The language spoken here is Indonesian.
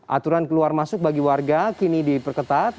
aturan keluar masuk bagi warga kini diperketat